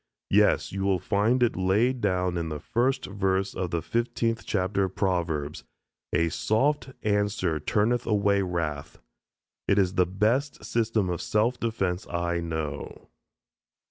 "Yes, you will find it laid down in the first verse of the fifteenth chapter of Proverbs, 'A soft answer turneth away wrath'; it is the best system of self defense I know."